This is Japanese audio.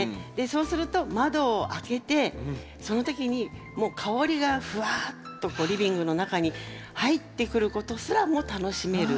そうすると窓を開けてその時にもう香りがふわっとこうリビングの中に入ってくることすらも楽しめる。